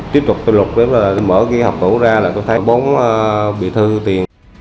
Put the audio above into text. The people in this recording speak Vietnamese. tiếp tục tôi lục mở cái hộp tổ ra là tôi thấy bốn biểu thư tiền